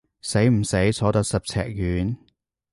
使唔使坐到十尺遠？